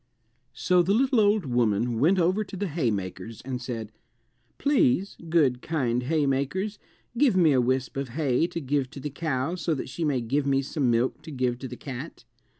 So the little old woman went over to the haymakers and said, "Please, good kind haymakers, give me a wisp of hay to give to the cow so that she may give me some milk to give to the cat."